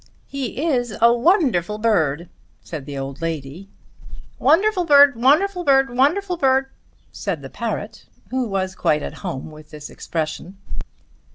"He is a wonderful bird," said the old lady. "Wonderful bird; wonderful bird; wonderful bird," said the parrot, who was quite at home with this expression.